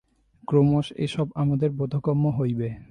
ক্রমশ এ-সব আমাদের বোধগম্য হইবে।